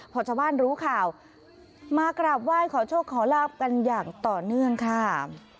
พอชาวบ้านรู้ข่าวมากราบไหว้ขอโชคขอลาบกันอย่างต่อเนื่องค่ะ